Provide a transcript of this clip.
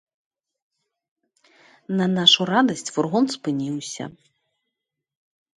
На нашу радасць, фургон спыніўся.